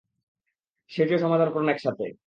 সেটাও সমাধান করুন একসাথে।